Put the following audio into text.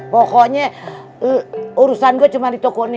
pokoknya urusan gue cuma di toko nih